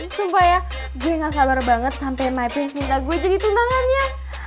sumpah ya gue gak sabar banget sampe my prince minta gue jadi tunangannya